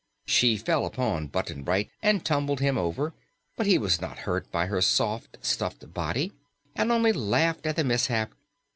She fell upon Button Bright and tumbled him over, but he was not hurt by her soft, stuffed body and only laughed at the mishap.